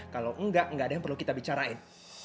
kalau enggak enggak ada yang perlu kita bicarain